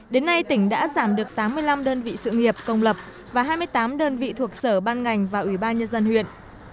đến nay tỉnh đã giảm được tám mươi năm đơn vị sự nghiệp công lập và hai mươi tám đơn vị thuộc sở ban ngành và ủy ban nhân dân huyện